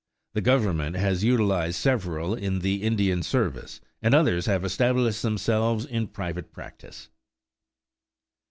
The Government has utilized several in the Indian service, and others have established themselves in private practice.